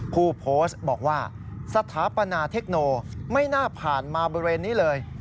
ผู้โพสต์บอกว่าสถาปนาเทคโนไม่น่าผ่านมาบริเวณนี้เลย